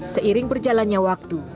seiring berjalannya waktu